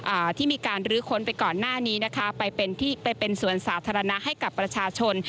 อ่าที่มีการลื้อค้นไปก่อนหน้านี้นะคะไปเป็นที่ไปเป็นสวนสาธารณะให้กับประชาชน